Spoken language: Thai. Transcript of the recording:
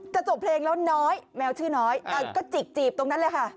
จบเพลงแล้วน้อยแมวชื่อน้อยก็จิกจีบตรงนั้นเลยค่ะ